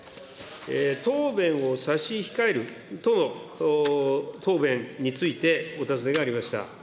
答弁を差し控えるとの答弁についてお尋ねがありました。